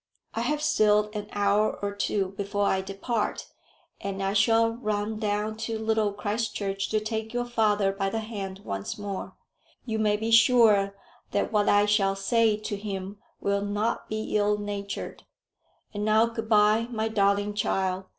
"I have still an hour or two before I depart, and I shall run down to Little Christchurch to take your father by the hand once more. You may be sure that what I shall say to him will not be ill natured. And now good bye, my darling child.